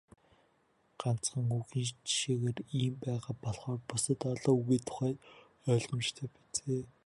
Ганцхан үгийн жишээгээр ийм байгаа болохоор бусад олон үгийн тухайд ойлгомжтой биз ээ.